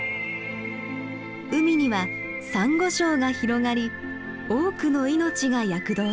海にはサンゴ礁が広がり多くの命が躍動します。